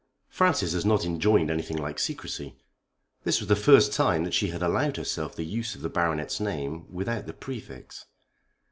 Francis has not enjoined anything like secrecy." This was the first time that she had allowed herself the use of the Baronet's name without the prefix.